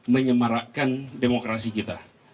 menyemarakkan demokrasi kita